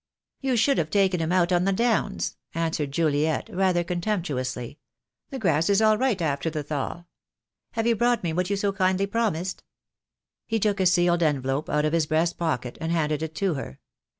"You should have taken it out of him on the downs," answered Juliet, rather contemptuously. "The grass is all right after the thaw. Have you brought me what you so kindly promised?" He took a sealed envelope out of his breast pocket and handed it to her.